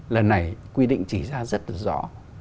lần này quy định chỉ ra rất là rõ